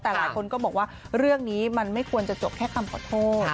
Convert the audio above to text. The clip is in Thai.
แต่หลายคนก็บอกว่าเรื่องนี้มันไม่ควรจะจบแค่คำขอโทษ